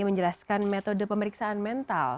menjelaskan metode pemeriksaan mental